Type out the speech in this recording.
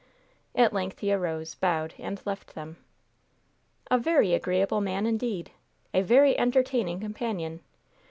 At length he arose, bowed and left them. "A very agreeable man, indeed! A very entertaining companion!